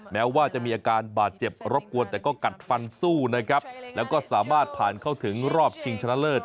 แม้ว่าจะมีอาการบาดเจ็บรบกวนแต่ก็กัดฟันสู้นะครับแล้วก็สามารถผ่านเข้าถึงรอบชิงชนะเลิศ